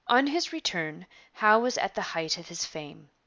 On his return Howe was at the height of his fame.